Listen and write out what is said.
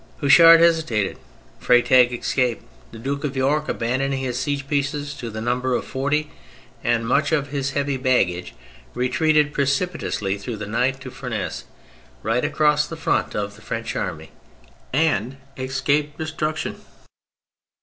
Houchard hesitated; Freytag escaped ; the Duke of York, abandoning his siege pieces to the number of forty and much of his heavy baggage, retreated pre cipitately through the night to Furnes, right across the front of the French army, and escaped destruction.